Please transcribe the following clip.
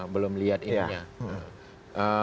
belum lihat ininya